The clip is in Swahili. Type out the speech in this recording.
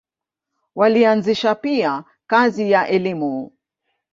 Walianzisha pia kazi ya elimu.